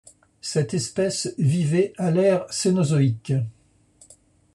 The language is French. Cette espèce vivait à l'ère Cénozoïque.